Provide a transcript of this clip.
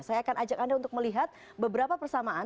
saya akan ajak anda untuk melihat beberapa persamaan